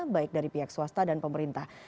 baik dari pihak swasta dan pemerintah